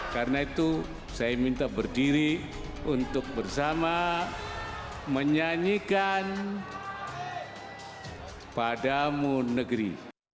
karena itu saya minta berdiri untuk bersama menyanyikan padamu negeri